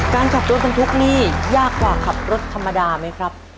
การขับรถบรรทุกนี่ยากกว่าขับรถธรรมดาไหมครับ